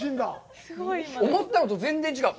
思ったのと全然違う。